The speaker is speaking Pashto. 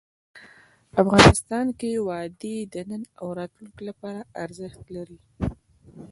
افغانستان کې وادي د نن او راتلونکي لپاره ارزښت لري.